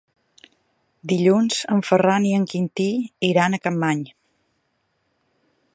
Dilluns en Ferran i en Quintí iran a Capmany.